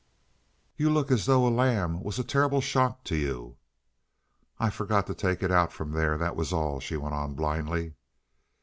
"You look as though a lamb was a terrible shock to you." "I forgot to take it out from there, that was all," she went on blindly.